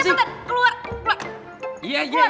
keluar cepetan keluar